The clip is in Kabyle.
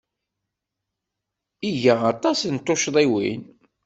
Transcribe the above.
Iga aṭas n tuccḍiwin.